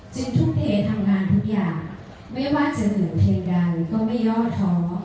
จึงทุกเดชน์ทำงานทุกอย่างไม่ว่าจะเหงื่อเพียงกันก็ไม่ยอดท้อ